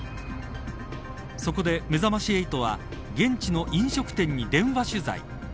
そこで、めざまし８は現地の飲食店に電話取材。